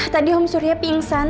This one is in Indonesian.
tadi om surya pingsan